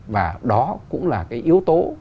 và đó cũng là cái yếu tố